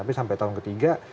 tapi sampai tahun ketiga